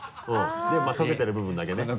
まぁ溶けてる部分だけね。